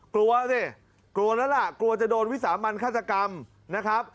กลัวสิกลัวแล้วล่ะกลัวจะโดนวิสามันฆาตกรรมนะครับ